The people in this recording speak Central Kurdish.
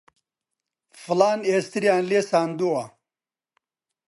فڵان ئێستریان لێ ساندووە